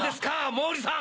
毛利さん！